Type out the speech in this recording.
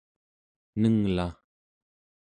nenglaᵉ